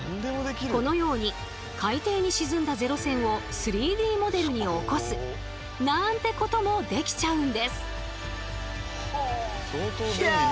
このように海底に沈んだ零戦を３Ｄモデルに起こすなんてこともできちゃうんです。